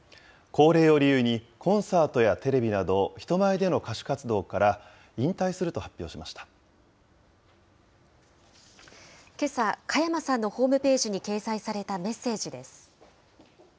高齢を理由に、コンサートやテレビなど、人前での歌手活動かけさ、加山さんのホームページに掲載されたメッセージです。